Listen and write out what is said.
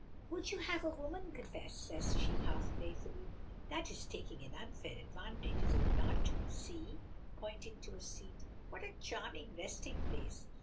"Would you have a woman confess?" says she, half playfully. "That is taking an unfair advantage, is it not? See," pointing to a seat, "what a charming resting place!